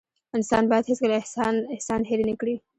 انسان بايد هيڅکله احسان هېر نه کړي .